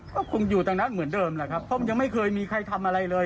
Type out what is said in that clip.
ก็คงอยู่ตรงนั้นเหมือนเดิมแหละครับเพราะมันยังไม่เคยมีใครทำอะไรเลย